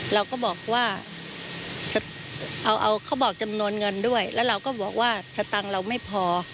เราก็บอกว่าเอาเขาบอกจำนวนเงินด้วยแล้วเราก็บอกว่าสตังค์เราไม่พอ